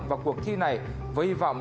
vào cuộc thi này với hy vọng